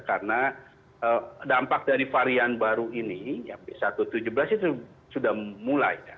karena dampak dari varian baru ini b satu tujuh belas itu sudah mulai ya